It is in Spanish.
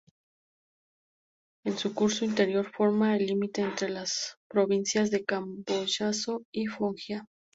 En su curso interior forma el límite entre las provincias de Campobasso y Foggia.